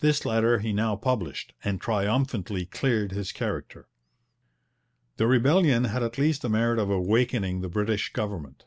This letter he now published, and triumphantly cleared his character. The rebellion had at least the merit of awakening the British government.